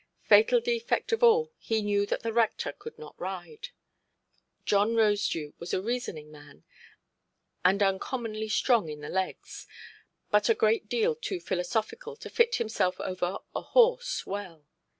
Fatal defect of all, he knew that the rector could not ride. John Rosedew was a reasoning man, and uncommonly strong in the legs, but a great deal too philosophical to fit himself over a horse well.